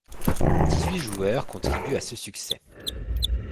Dix-huit joueurs contribuent à ce succès.